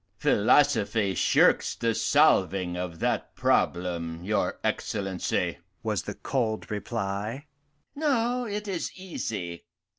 "Philosophy shirks the solving of that problem, your Excellency," was the cold reply. "No, it is easy.